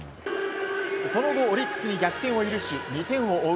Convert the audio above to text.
その後、オリックスに逆転を許し２点を追う